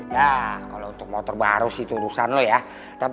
ya kalo untuk motor baru sih tulusan lo ya